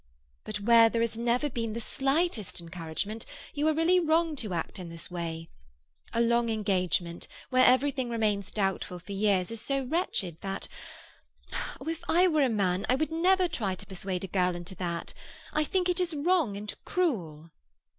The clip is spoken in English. But where there has never been the slightest encouragement, you are really wrong to act in this way. A long engagement, where everything remains doubtful for years, is so wretched that—oh, if I were a man, I would never try to persuade a girl into that! I think it wrong and cruel."